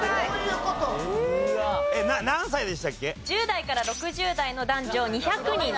１０代から６０代の男女２００人です。